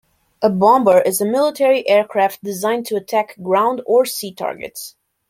A bomber is a military aircraft designed to attack ground or sea targets.